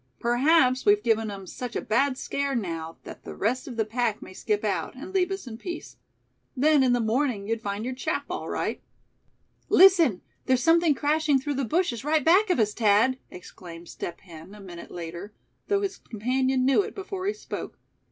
Perhaps we've given 'em such a bad scare now that the rest of the pack may skip out, and leave us in peace. Then in the morning you'd find your chap, all right." "Listen! there's something crashing through the bushes right back of us, Thad!" exclaimed Step Hen, a minute later, though his companion knew it before he spoke.